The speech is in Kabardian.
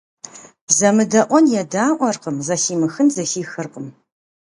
ЗэмыдэIуэн едаIуэркъым, зэхимыхын зэхихыркъым.